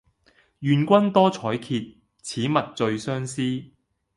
願君多采擷，此物最相思。